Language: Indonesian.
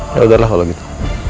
yaudahlah kalo gitu